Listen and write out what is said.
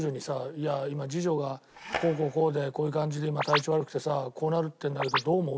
「いや今次女がこうこうこうでこういう感じで今体調悪くてさこうなるって言うんだけどどう思う？」